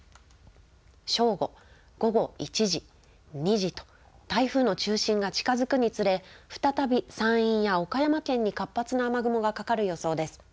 正午、午後１時、２時と台風の中心が近づくにつれ再び山陰や岡山県に活発な雨雲がかかる予想です。